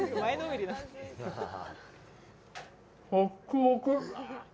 ホックホク。